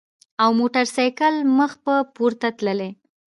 او موټر ساېکلې مخ پۀ پورته تللې ـ